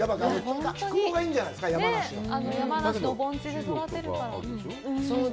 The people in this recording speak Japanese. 気候がいいんじゃないですか、山梨の盆地で育てるから。